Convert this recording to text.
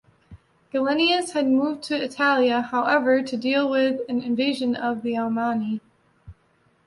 Gallienus had moved to Italia, however, to deal with an invasion of the Alamanni.